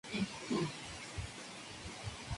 Se encuentra en Mongolia y la Rusia asiática.